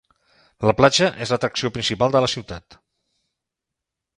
La platja és l'atracció principal de la ciutat.